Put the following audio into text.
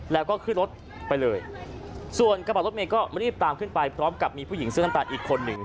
แล้วก็ขึ้นรถไปเลยส่วนกระบะรถเมย์ก็รีบตามขึ้นไปพร้อมกับมีผู้หญิงเสื้อน้ำตาลอีกคนหนึ่ง